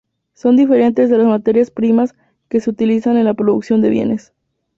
Son diferentes de las materias primas que se utilizan en la producción de bienes.